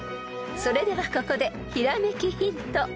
［それではここでひらめきヒント］